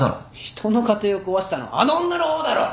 人の家庭を壊したのはあの女の方だろ！